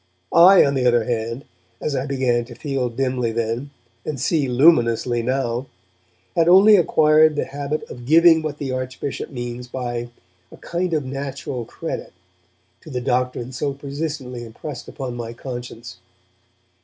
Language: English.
I, on the other hand as I began to feel dimly then, and see luminously now had only acquired the habit of giving what the Archbishop means by 'a kind of natural credit' to the doctrine so persistently impressed upon my conscience.